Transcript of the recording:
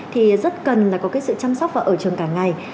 thì rất cần là có cái sự chăm sóc và ở trường cả ngày